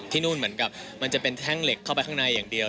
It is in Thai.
นู่นเหมือนกับมันจะเป็นแท่งเหล็กเข้าไปข้างในอย่างเดียว